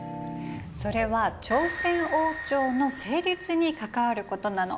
それは朝鮮王朝の成立に関わることなの。